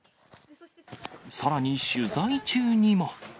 さらに取材中にも。